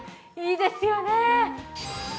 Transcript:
いいですよね。